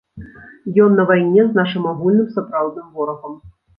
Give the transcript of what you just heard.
Ён на вайне з нашым агульным сапраўдным ворагам.